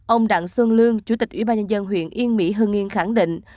ông đặng xuân lương chủ tịch ủy ban nhân dân huyện yên mỹ hơn nghiên khẳng định